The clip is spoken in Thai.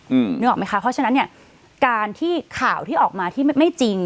นึกออกไหมคะเพราะฉะนั้นเนี้ยการที่ข่าวที่ออกมาที่ไม่ไม่จริง